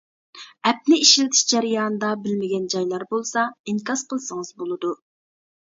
ئەپنى ئىشلىتىش جەريانىدا بىلمىگەن جايلار بولسا ئىنكاس قىلسىڭىز بولىدۇ.